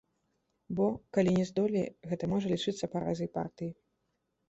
Бо, калі не здолее, гэта можа лічыцца паразай партыі.